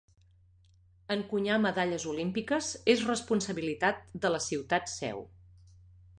Encunyar medalles olímpiques és responsabilitat de la ciutat Seu.